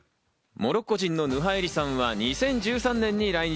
モロッコ人のヌハエリさんは２０１３年に来日。